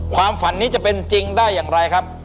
ความฝันนี้จะเป็นจริงได้อย่างไรครับ